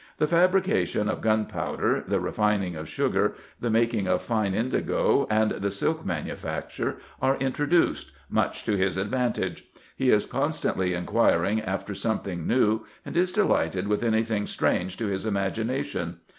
The fabrication of gunpowder, the refining of sugar, the making of fine indigo, and the silk manufacture, are introduced, much to his advantage: he is constantly inquiring after something new, and is delighted with any thing strange to his imagination.